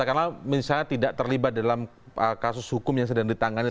karena misalnya tidak terlibat dalam kasus hukum yang sedang ditangani